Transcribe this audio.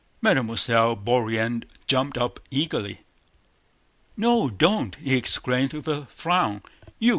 Mademoiselle Bourienne jumped up eagerly. "No, don't!" he exclaimed with a frown.